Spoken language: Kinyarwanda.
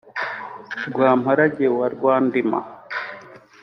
Rwamparage wa Rwandima